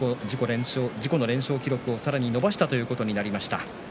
自己の連勝記録をさらに伸ばしたということになりました。